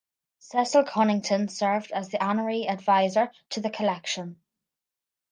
Cecil Cunnington served as an Honorary Advisor to the collection.